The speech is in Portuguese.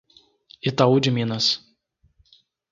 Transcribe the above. Itaú de Minas